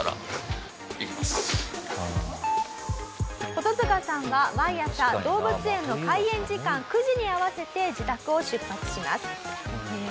コトヅカさんは毎朝動物園の開園時間９時に合わせて自宅を出発します。